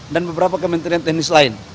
dan beberapa kementerian teknis lain